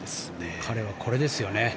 彼はこれですよね。